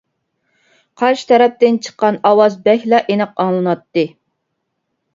قارشى تەرەپتىن چىققان ئاۋاز بەكلا ئېنىق ئاڭلىناتتى.